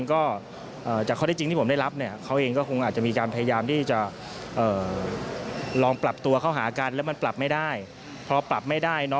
บอกว่ารักครับทั้งคู่ค่ะการเจรจาหาทางออกร่วมกัน